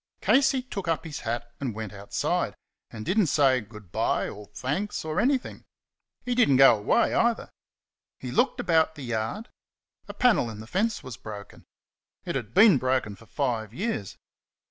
Casey took up his hat and went outside, and did n't say "Good day" or "Thanks" or anything. He did n't go away, either. He looked about the yard. A panel in the fence was broken. It had been broken for five years.